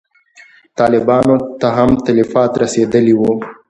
طالبانو ته هم تلفات رسېدلي وي.